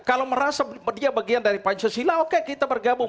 kalau merasa dia bagian dari pancasila oke kita bergabung